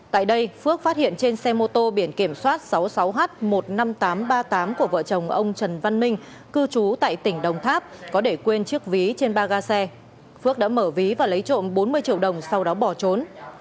tại đây phước phát hiện trên xe mô tô biển kiểm soát sáu mươi sáu h một mươi năm nghìn tám trăm ba mươi tám của vợ chồng ông trần văn minh cư trú tại tỉnh đồng tháp có để quên chiếc ví trên ba ga xe phước đã mở ví và lấy trộm bốn mươi triệu đồng sau đó bỏ trốn